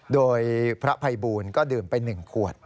โดยพระภัยบูลก็ดื่มไป๑ขวด